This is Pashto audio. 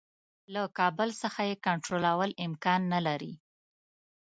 له کابل څخه یې کنټرولول امکان نه لري.